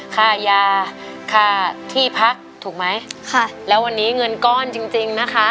ค่ายาค่าที่พักถูกไหมค่ะแล้ววันนี้เงินก้อนจริงจริงนะคะ